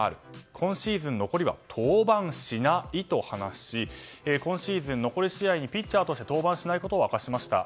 今シーズン残りは登板しないと話し今シーズン、残り試合にピッチャーとして登板しないことを明かしました。